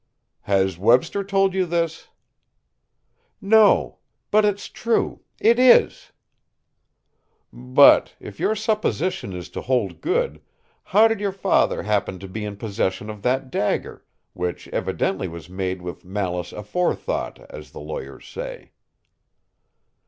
"Has Webster told you this?" "No but it's true; it is!" "But, if your supposition is to hold good, how did your father happen to be in possession of that dagger, which evidently was made with malice aforethought, as the lawyers say?"